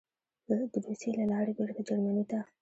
د روسیې له لارې بېرته جرمني ته: